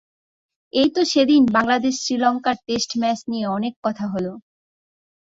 এই তো সেদিন বাংলাদেশ শ্রীলঙ্কার টেস্ট ম্যাচ নিয়ে অনেক কথা হলো।